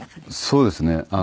そうですね。